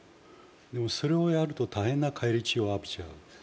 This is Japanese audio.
でもそれをやると大変な返り血を浴びちゃう。